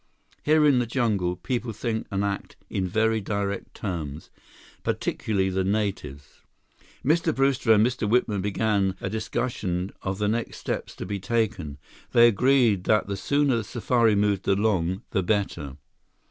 Here in the jungle, people think and act in very direct terms, particularly the natives." Mr. Brewster and Mr. Whitman began a discussion of the next steps to be taken. They agreed that the sooner the safari moved along, the better.